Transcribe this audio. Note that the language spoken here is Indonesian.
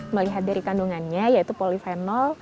melihat dari kandungannya yaitu polifenol